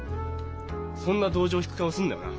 そんな同情引く顔すんなよな。